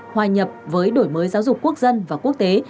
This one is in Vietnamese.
hòa nhập với đổi mới giáo dục quốc dân và quốc tế